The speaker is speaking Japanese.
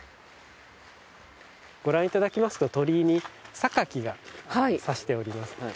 ご覧いただきますと鳥居に榊が刺しております。